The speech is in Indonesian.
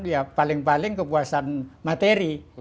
ya paling paling kepuasan materi